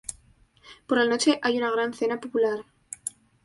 Por la noche hay una gran cena popular.